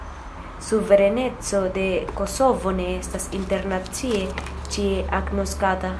Suvereneco de Kosovo ne estas internacie ĉie agnoskata.